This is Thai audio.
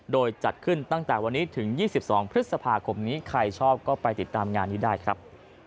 โดยจัดขึ้นตั้งแต่วันนี้ถึง๒๒พฤษภาคมนี้ใครชอบก็ไปติดตามงานนี้ได้ครับ